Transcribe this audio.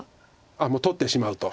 あっもう取ってしまうと。